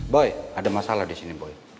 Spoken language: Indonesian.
boy ada masalah disini boy